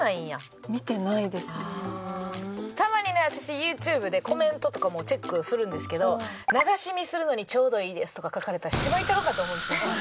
たまにね私ＹｏｕＴｕｂｅでコメントとかもチェックするんですけど「流し見するのにちょうどいいです」とか書かれたらしばいたろかと思うんですよ。